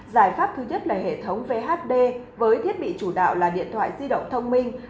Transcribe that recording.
giải pháp thứ nhất là hệ thống vhd với thiết bị chủ đạo là điện thoại di động thông minh